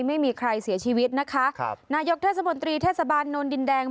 จากการที่ตอบถามชาวบ้านที่อยู่ข้างเคียง